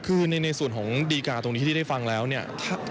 คือในส่วนของดีการ์ตรงนี้ที่ได้ฟังแล้วเนี่ย